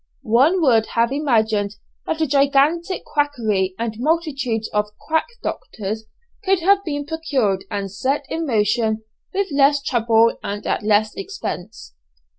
One would have imagined that a gigantic quackery and multitudes of quack doctors could have been procured and set in motion with less trouble and at less expense!